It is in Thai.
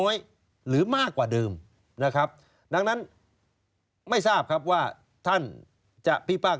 ๒ยกฟองครับสารยก